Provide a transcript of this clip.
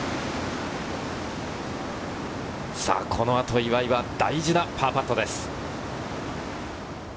この後、岩井は大事なパーパットです。